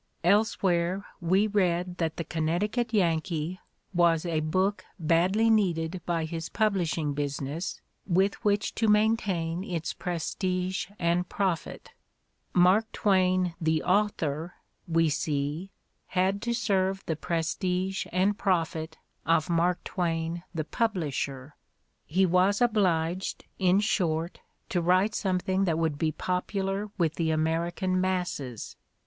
Elsewhere we read that the "Connecticut Yankee" "was a book badly needed by his publishing business with which to maintain its prestige and profit." Mark Twain, the author, we see, had to serve the prestige and profit of Mark Twain, the publisher ; he was obliged, in short, to write something that would be popular with the American masses.